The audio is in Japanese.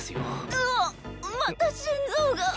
うおっまた心臓が！